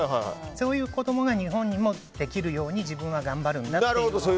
そういう子供が日本にもできるように自分は頑張るんだと。